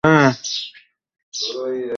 বলিয়া রমেশের পশ্চাৎ পশ্চাৎ বাহির হইয়া গেল।